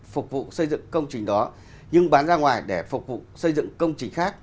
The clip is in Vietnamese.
phục vụ xây dựng công trình đó nhưng bán ra ngoài để phục vụ xây dựng công trình khác